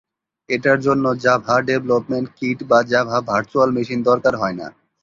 এটার জন্য Java development kit বা জাভা ভার্চুয়াল মেশিন দরকার হয়না।